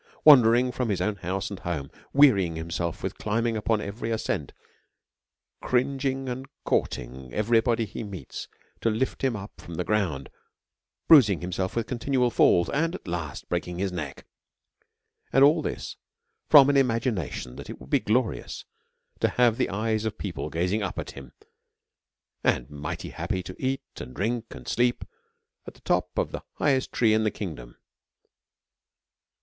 wandering from his own house and home, wearying himself with climbing upon every ascent, cringing and courting every body he meets, to lift him up from the ground, bruising himself with continual falls, and at last breaking his neck? And all this from an imagination that it would be glorious to have the eyes of people gazing up at him, and mighty happy to eat, and drink, and sleep, at the top of the highest trees in the kingdom.